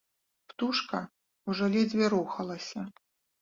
Птушка ўжо ледзьве рухалася.